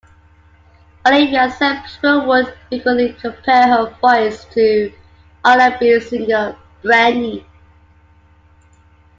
Olivia said people would frequently compare her voice to R and B singer Brandy.